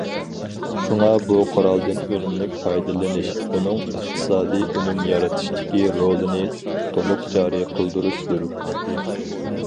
شۇڭا بۇ قورالدىن ئۈنۈملۈك پايدىلىنىش، ئۇنىڭ ئىقتىسادىي ئۈنۈم يارىتىشتىكى رولىنى تولۇق جارى قىلدۇرۇش زۆرۈر.